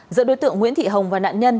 giữa đối tượng nguyễn thị hồng và nạn nhân